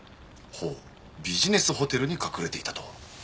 ほうビジネスホテルに隠れていたと。